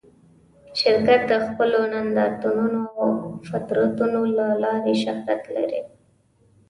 شرکت د خپلو نندارتونونو او دفترونو له لارې شهرت لري.